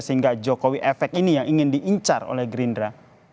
sehingga jokowi efek ini yang ingin diincar oleh gerindra